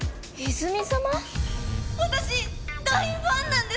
私大ファンなんです！